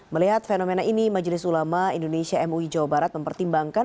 melihat fenomena ini majelis ulama indonesia mui jawa barat mempertimbangkan